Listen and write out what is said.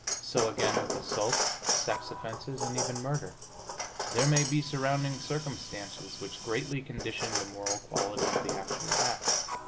So again, with assault, sex offenses, and even murder; there may be surrounding circumstances which greatly condition the moral quality of the actual act.